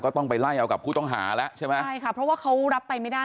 ต้องไปไล่เอากับผู้ต้องหาแล้วใช่ไหมใช่ค่ะเพราะว่าเขารับไปไม่ได้